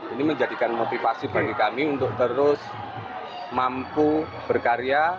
ini menjadikan motivasi bagi kami untuk terus mampu berkarya